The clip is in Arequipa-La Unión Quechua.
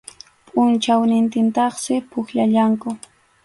Pʼunchawnintintaqsi pukllallanku.